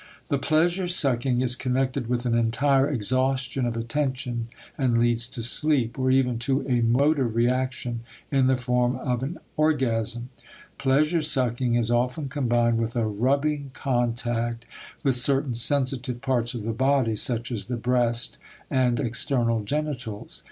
The pleasure sucking is connected with an entire exhaustion of attention and leads to sleep or even to a motor reaction in the form of an orgasm. Pleasure sucking is often combined with a rubbing contact with certain sensitive parts of the body, such as the breast and external genitals.